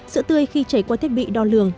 sữa tươi khi chảy qua thiết bị đo lường